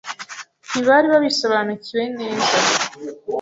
ntibari babisobanukiwe neza